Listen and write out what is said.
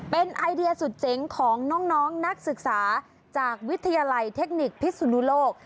เป็นไอเดียสุดเจ๋งของน้องนักศึกษาจากวิทยาลัยเทคนิคพิสุนุโลก